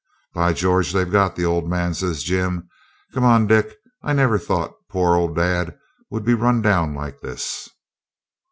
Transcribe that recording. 'By George! they've got the old man,' says Jim. 'Come on, Dick. I never thought poor old dad would be run down like this.'